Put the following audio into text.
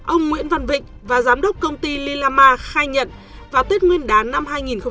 ông nguyễn văn vịnh và giám đốc công ty lilama khai nhận vào tết nguyên đán năm hai nghìn hai mươi